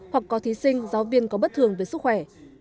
hoặc có thí sinh giáo viên có bất thường về sức khỏe